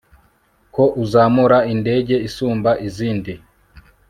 ko uzamura indege isumba izindi